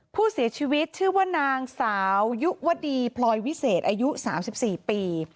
ผู้เสียชีวิตชื่อว่านางสาวยุวดีพลอยวิเศษอายุ๓๔ปี